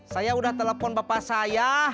saya sudah telepon bapak saya